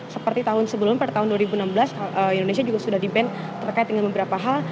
seperti tahun sebelum pada tahun dua ribu enam belas indonesia juga sudah di ban terkait dengan beberapa hal